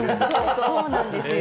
そうなんですよ。